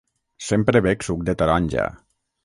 Sempre bec suc de taronja.